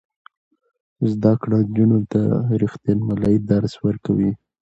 زده کړه نجونو ته د ریښتینولۍ درس ورکوي.